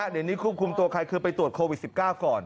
เดี๋ยวนี้ควบคุมตัวใครคือไปตรวจโควิด๑๙ก่อน